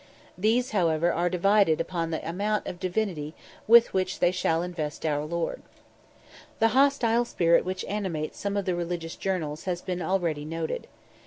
These, however, are divided upon the amount of divinity with which they shall invest our Lord. The hostile spirit which animates some of the religious journals has been already noticed.